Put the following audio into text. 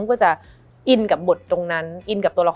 มันทำให้ชีวิตผู้มันไปไม่รอด